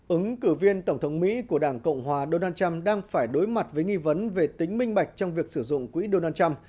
ứng cử viên tổng thống mỹ của đảng cộng hòa donald trump đang phải đối mặt với nghi vấn về tính minh bạch trong việc sử dụng quỹ donald trump